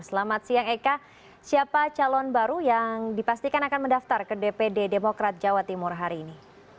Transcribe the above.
selamat siang eka siapa calon baru yang dipastikan akan mendaftar ke dpd demokrat jawa timur hari ini